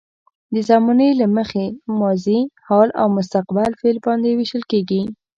د زمانې له مخې ماضي، حال او مستقبل فعل باندې ویشل کیږي.